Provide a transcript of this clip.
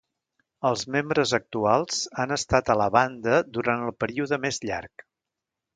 Els membres actuals han estat a la banda durant el període més llarg.